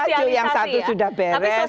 ini sudah maju yang satu sudah beres